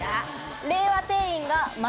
令和店員が。え